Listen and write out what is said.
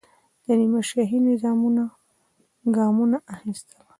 د نیمه شاهي نظامونو ګامونه اخیستل.